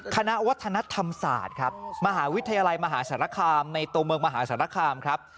คณะวัฒนธรรมศาสตร์ครับมหาวิทยาลัยมหาสารคามในตัวเมืองมหาสารคามครับ